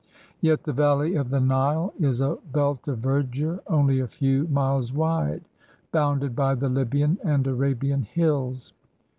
Yet the valley of the Nile is a belt of verdure only a few miles wide, bounded by the Libyan and Arabian hills.